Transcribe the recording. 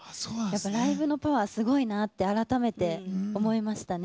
ライブのパワーすごいなって改めて思いましたね。